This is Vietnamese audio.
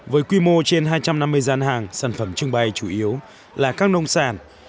với quy mô trên hai trăm năm mươi gian hàng sản phẩm trưng bày chủ yếu là các nông sản